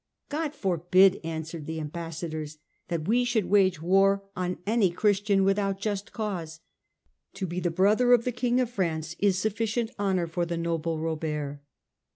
" God forbid," answered the ambassa dors, " that we should wage war on any Christian without just cause. To be the brother of the King of France is sufficient honour for the noble Robert."